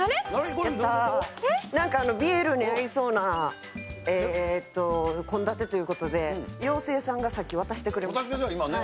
ビールに合いそうな献立ということで妖精さんがさっき渡してくれました。